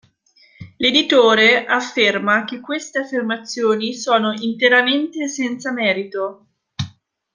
L'editore afferma che queste affermazioni sono interamente "senza merito".